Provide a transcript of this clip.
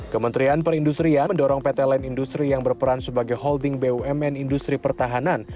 kementerian perindustrian mendorong pt line industri yang berperan sebagai holding bumn industri pertahanan